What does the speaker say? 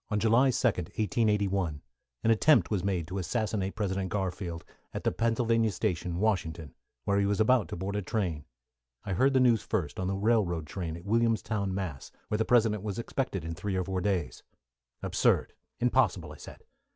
THE SEVENTH MILESTONE 1881 1884 On July 2, 1881, an attempt was made to assassinate President Garfield, at the Pennsylvania Station, Washington, where he was about to board a train. I heard the news first on the railroad train at Williamstown, Mass., where the President was expected in three or four days. "Absurd, impossible," I said.